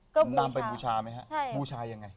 ก็บูชายังไง